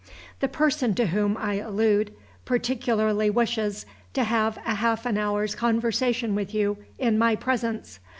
The person to whom I allude, particularly wishes to have half an hour's conversation with you in my presence.